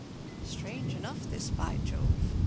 "Strange enough this, by Jove!"